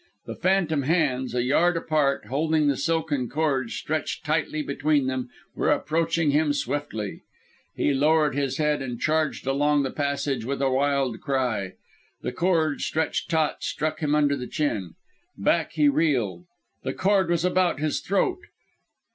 The phantom hands, a yard apart and holding the silken cord stretched tightly between them, were approaching him swiftly! He lowered his head, and charged along the passage, with a wild cry. The cord, stretched taut, struck him under the chin. Back he reeled. The cord was about his throat!